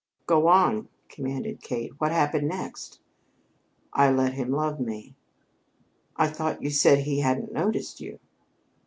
"Go on!" commanded Kate. "What happened next?" "I let him love me!" "I thought you said he hadn't noticed you."